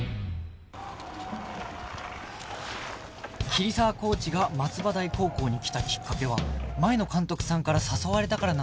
桐沢コーチが松葉台高校に来たきっかけは前の監督さんから誘われたからなんだそう